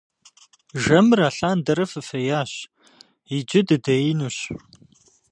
Жэмыр алъандэрэ фыфеящ, иджы дыдеинущ.